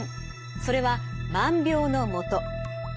それは万病の元。